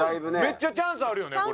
めっちゃチャンスあるよねこれ。